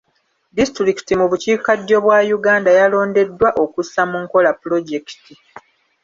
Disitulikiti mu bukiika ddyo bwa Uganda yalondeddwa okussa mu nkola pulojekiti